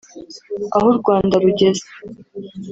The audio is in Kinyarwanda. Aho u Rwanda rugeze